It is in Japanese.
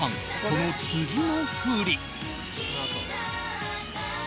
その次の振り。